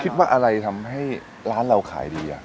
คิดว่าอะไรทำให้ร้านเราขายดี